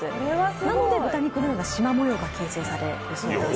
なので豚肉のようなしま模様が形成されるんだそうです。